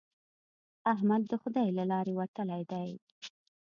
احمد د خدای له لارې وتلی دی.